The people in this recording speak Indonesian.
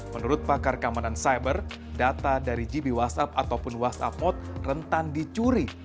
menurut pakar keamanan cyber data dari gb whatsapp ataupun whatsapp mode rentan dicuri